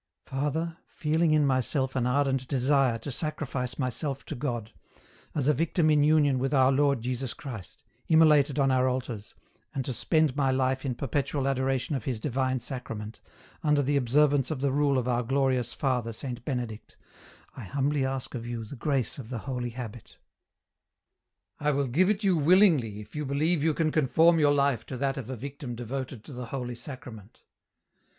" Father, feeling in myself an ardent desire to sacrifice myself to God, as a victim in union with our Lord Jesus Christ, immolated on our altars, and to spend my life in perpetual adoration of His divine Sacrament, under the observance of the rule of our glorious Father Saint Benedict, I humbly ask of you the grace of the holy habit." "I will give it you willingly if you believe you can EN ROUTE. 105 conform your life to that of a victim devoted to the Holy Sacrament."